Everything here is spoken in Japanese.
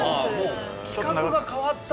規格が変わった。